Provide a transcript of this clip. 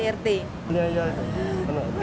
ini terduga pelaku kdrt